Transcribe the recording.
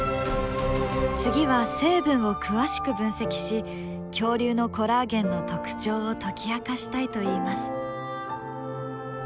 次は成分を詳しく分析し恐竜のコラーゲンの特徴を解き明かしたいといいます。